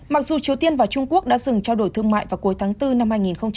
mặc dù triều tiên và trung quốc đã dừng trao đổi thương mại vào cuối tháng bốn năm hai nghìn hai mươi